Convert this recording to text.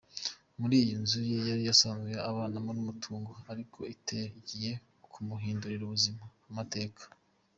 Muri iyi nzu ye yari asanzwe abanamo n'amatungo ariko Itel igiye kumuhindurira amateka.